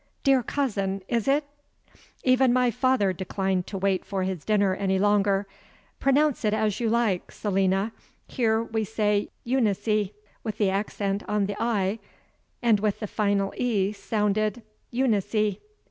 Dear cousin, is it " Even my father declined to wait for his dinner any longer. "Pronounce it as you like, Selina. Here we say Euni'ce with the accent on the 'i' and with the final 'e' sounded: Eu ni' see.